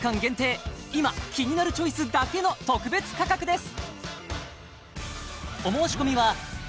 今「キニナルチョイス」だけの特別価格です！